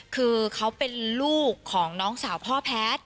คือเขาเป็นลูกของน้องสาวพ่อแพทย์